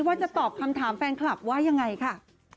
ว่าจะตอบคำถามแฟนคลับว่ายังไงค่ะ